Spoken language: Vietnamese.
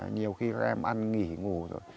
nhiều khi các em ăn nghỉ ngủ rồi